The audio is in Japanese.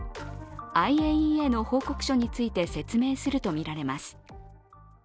ＩＡＥＡの報告書について説明するとみられます。